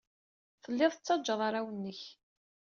Tellid tettajjad arraw-nnek.